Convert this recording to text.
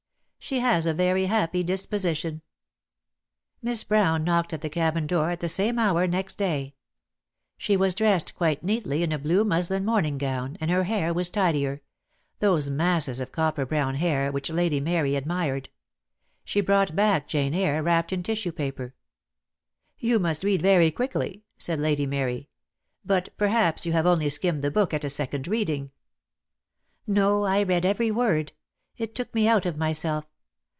"She has a very happy disposition." Miss Brown knocked at the cabin door at the same hour next day. She was dressed quite neatly in a blue muslin morning gown, and her hair was tidier — those masses of copper brown hair, which Lady Mary admired. She brought back "Jane Eyre," wrapped in tissue paper. "You must read very quickly," said Lady Mary; "but perhaps you have only skimmed the book at a second reading." "No, I read every word. It took me out of my self.